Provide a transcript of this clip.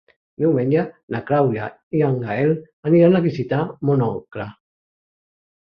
Diumenge na Clàudia i en Gaël aniran a visitar mon oncle.